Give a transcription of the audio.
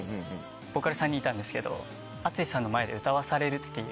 ボーカル３人いたんですけどＡＴＳＵＳＨＩさんの前で歌わされるっていう。